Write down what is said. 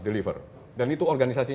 deliver dan itu organisasi